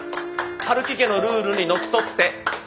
春木家のルールにのっとって。